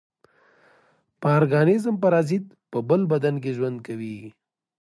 پارګانېزم پارازیت په بل بدن کې ژوند کوي.